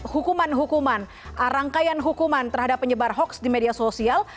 hukuman hukuman rangkaian hukuman terhadap penyebar hoax di media sosial